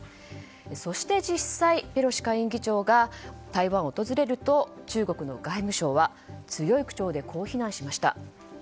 そして実際にペロシ下院議長が台湾を訪れると中国の外務省は強い口調でこう非難しました。